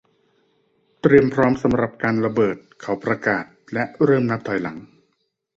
เตรียมพร้อมสำหรับการระเบิดเขาประกาศและเริ่มนับถอยหลัง